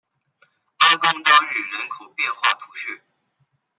阿贡当日人口变化图示